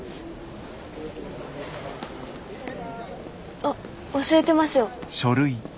あっ忘れてますよ。